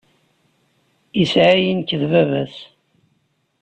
Isɛa-yi nekk d bab-as.